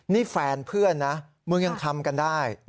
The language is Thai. นี่แฟนเพื่อนนะมึงยังทำกันได้